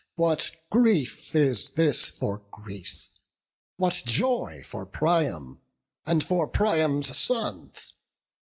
what grief is this for Greece! What joy for Priam, and for Priam's sons!